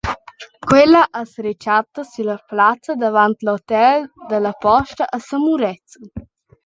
Quella as rechatta sülla plazza davant l’hotel da la Posta a San Murezzan.